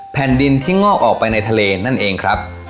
แผ่นดินที่งอกออกไปในทะเลนั่นเองครับ